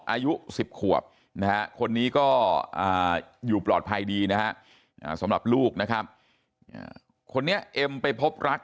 อายุ๑๐ขวบนะฮะคนนี้ก็อยู่ปลอดภัยดีนะฮะสำหรับลูกนะครับคนนี้เอ็มไปพบรัก